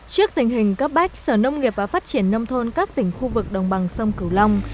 trước tình hình cấp bách sở nông nghiệp và phát triển nông thôn các tỉnh khu vực đồng bằng sông cửu long